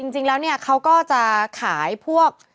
จริงแล้วเขาก็จะขายพวก